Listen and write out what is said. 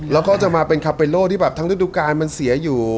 แล้วก็จะมาเป็นคาเปโลที่แบบทั้งฤดูกาลมันเสียอยู่